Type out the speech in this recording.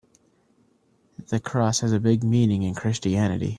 The cross has a big meaning in Christianity.